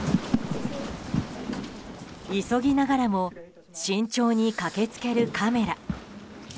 急ぎながらも慎重に駆けつけるカメラ。